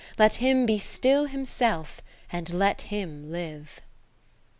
Let him be still himself, and let him live.